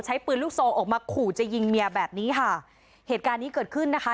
ปืนลูกโซออกมาขู่จะยิงเมียแบบนี้ค่ะเหตุการณ์นี้เกิดขึ้นนะคะ